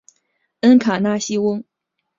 恩卡纳西翁。